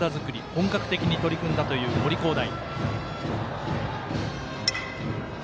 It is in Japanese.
本格的に取り組んだという森煌誠。